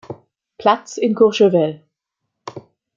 Platz in Courchevel.